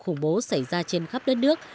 khủng bố xảy ra trên khắp đất nước